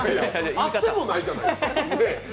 会ってもないじゃないですか。